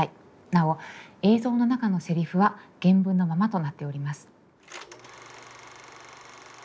なお映像の中のセリフは原文のままとなっております。